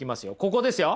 ここですよ。